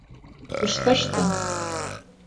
Шъущхэщта?